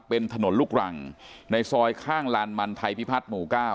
เป็นถนนลูกรังในซอยข้างลานมันไทยพิพัฒน์หมู่๙